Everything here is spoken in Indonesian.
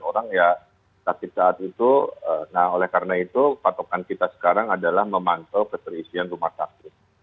orang ya sakit saat itu nah oleh karena itu patokan kita sekarang adalah memantau keterisian rumah sakit